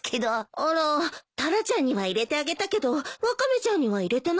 あらタラちゃんには入れてあげたけどワカメちゃんには入れてないわ。